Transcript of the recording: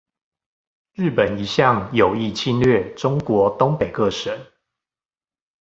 日本一向有意侵略中國東北各省